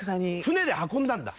船で運んだんだ。